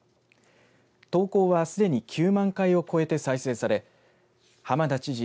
投稿はすでに９万回を超えて再生され浜田知事